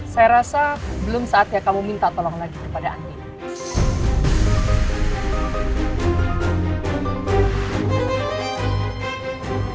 saya rasa belum saatnya kamu minta tolong lagi kepada anda